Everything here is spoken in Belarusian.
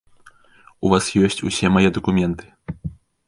У вас ёсць усе мае дакументы.